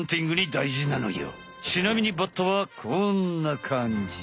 ちなみにバッタはこんな感じ。